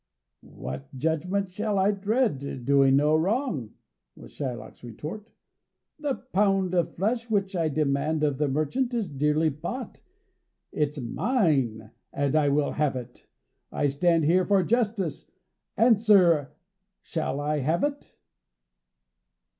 "What judgment shall I dread, doing no wrong?" was Shylock's retort. "The pound of flesh which I demand of the merchant is dearly bought; it's mine, and I will have it. I stand here for justice. Answer: shall I have it?"